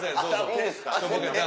いいですか。